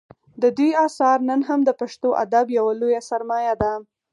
د دوی اثار نن هم د پښتو ادب یوه لویه سرمایه ده